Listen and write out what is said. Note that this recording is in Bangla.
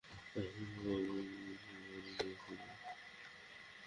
আপনার বাবু বুবুর বাড়ি গিয়েছিল।